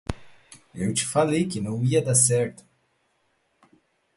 Eu te falei que não ia dar certo.